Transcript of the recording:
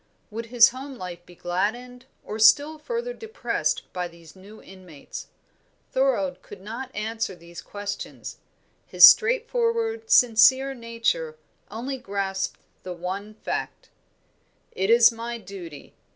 Would his home life be gladdened or still further depressed by these new inmates? Thorold could not answer these questions; his straightforward, sincere nature only grasped the one fact. "It is my duty.